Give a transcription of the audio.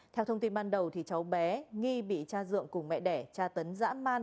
theo thông tin ban đầu cháu bé nghi bị cha dượng cùng mẹ đẻ cha tấn dãn man